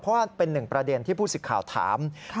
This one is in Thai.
เพราะว่าเป็นหนึ่งประเด็นที่ผู้สิทธิ์ข่าวถาม